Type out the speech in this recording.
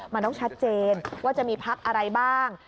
มันต้องชัดเจนว่าจะมีพักอะไรบ้าง